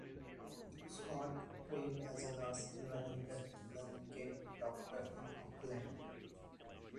Scott trained as a nurse in Wellington and then became a doctor in Auckland.